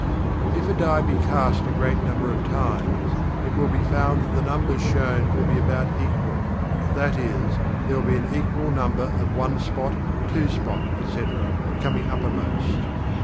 If a die be cast a great number of times, it will be found that the numbers shown will be about equal, that is, there will be an equal number of one spot, two spot, etc., coming uppermost.